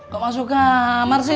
kok masuk kamar sih